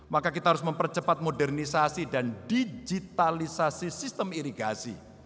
maka kita harus mempercepat modernisasi dan digitalisasi sistem irigasi